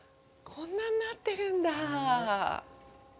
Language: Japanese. こんなになってるんだ！？